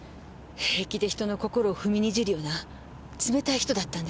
平気で人の心を踏みにじるような冷たい人だったんです。